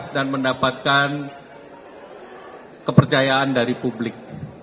dan mendapatkan kepercayaan dari publik